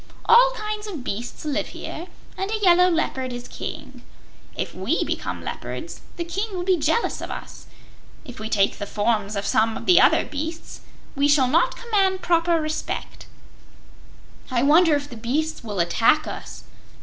All kinds of beasts live here, and a yellow leopard is King. If we become leopards, the King will be jealous of us. If we take the forms of some of the other beasts, we shall not command proper respect." "I wonder if the beasts will attack us?"